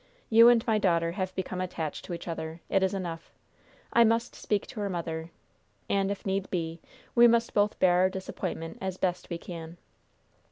You and my daughter have become attached to each other. It is enough. I must speak to her mother, and, if need be, we must both bear our disappointment as we best can."